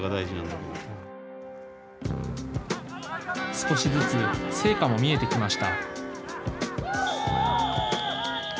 少しずつ成果も見えてきました。